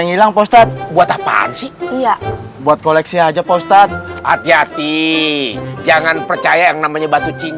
ngilangu buat apaan sih buat koleksi aja postor hati hati jangan percaya yang namanya batu cincin